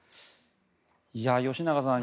吉永さん